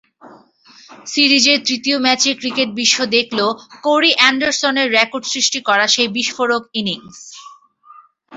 সিরিজের তৃতীয় ম্যাচে ক্রিকেটবিশ্ব দেখল কোরি অ্যান্ডারসনের রেকর্ডসৃষ্টি করা সেই বিস্ফোরক ইনিংস।